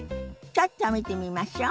ちょっと見てみましょ。